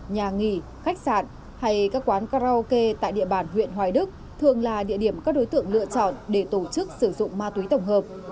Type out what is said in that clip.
nhà nghỉ khách sạn hay các quán karaoke tại địa bàn huyện hoài đức thường là địa điểm các đối tượng lựa chọn để tổ chức sử dụng ma túy tổng hợp